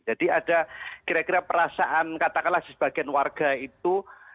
jadi ada kira kira perasaan katakanlah sebagian warga itu